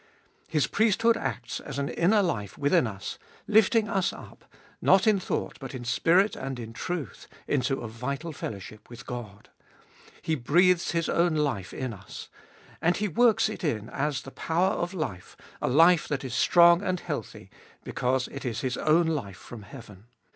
His priesthood acts as an inner life within us, lifting us up, not in thought but in spirit and in truth, into a vital fellowship with God. He breathes His own life in us. And He works it in as the power of life, a life that is strong and healthy, because it is His own life from heaven.